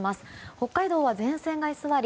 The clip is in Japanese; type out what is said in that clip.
北海道は前線が居座り